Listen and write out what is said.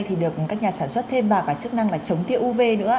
thì được các nhà sản xuất thêm và có chức năng là chống thiêu uv nữa